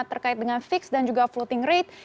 berkait dengan fixed dan juga floating rate